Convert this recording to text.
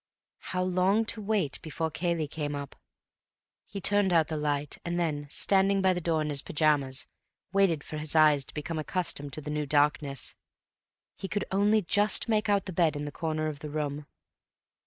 How long to wait before Cayley came up? He turned out the light, and then, standing by the door in his pyjamas, waited for his eyes to become accustomed to the new darkness.... He could only just make out the bed in the corner of the room.